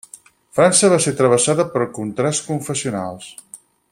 França va ser travessada per contrasts confessionals.